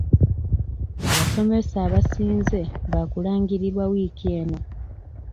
Abasomesa abasinze baakulangirirwa wiiki eno.